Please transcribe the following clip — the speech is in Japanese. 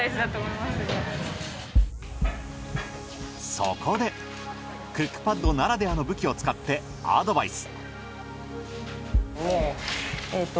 そこでクックパッドならではの武器を使ってアドバイス。